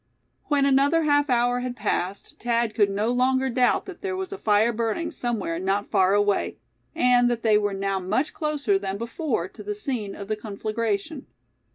When another half hour had passed Thad could no longer doubt that there was a fire burning somewhere not far away, and that they were now much closer than before to the scene of the conflagration.